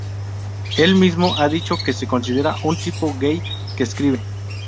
Él mismo ha dicho que se considera "un tipo gay que escribe".